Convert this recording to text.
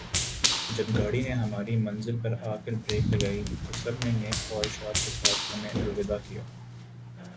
جب گاڑی نے ہماری منزل پر آ کر بریک لگائی تو سب نے نیک خواہشات کے ساتھ ہمیں الوداع کیا